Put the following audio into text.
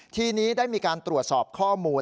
ทีนี้ได้มีการตรวจสอบข้อมูล